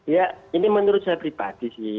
ya ini menurut saya pribadi sih